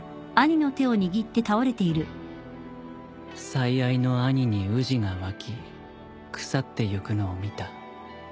最愛の兄にうじが湧き腐ってゆくのを見た